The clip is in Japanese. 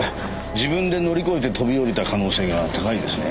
自分で乗り越えて飛び下りた可能性が高いですね。